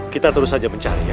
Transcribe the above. kita terus saja mencari ya